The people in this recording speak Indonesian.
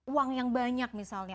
uang yang banyak misalnya